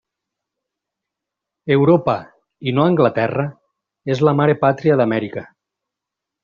Europa, i no Anglaterra, és la mare pàtria d'Amèrica.